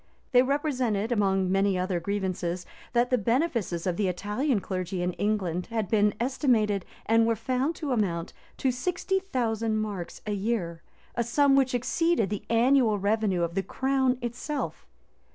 They represented, among many other grievances, that the benefices of the Italian clergy in England had been estimated, and were found to amount to sixty thousand marks[*] a year, a sum which exceeded the annual revenue of the crown itself.